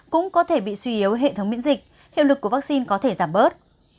cũng có thể bị suy yếu hệ thống miễn dịch hiệu lực của vaccine có thể giảm bớt